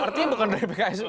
berarti bukan dari pks